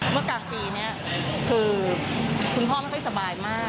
เมื่อกลางปีนี้คือคุณพ่อไม่ค่อยสบายมาก